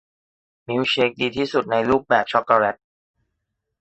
มิลค์เชคดีที่สุดในรูปแบบช็อกโกแลต